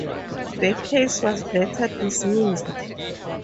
The case was later dismissed.